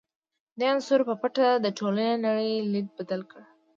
دې عناصرو په پټه د ټولنې نړۍ لید بدل کړ.